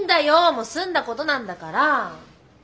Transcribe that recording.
もう済んだことなんだから。